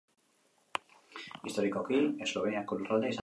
Historikoki Esloveniako lurraldea izan da.